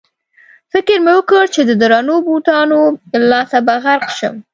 فکر مې وکړ چې د درنو بوټانو له لاسه به غرق شم.